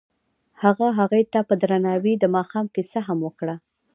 هغه هغې ته په درناوي د ماښام کیسه هم وکړه.